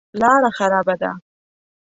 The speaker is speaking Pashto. لاره خرابه ده.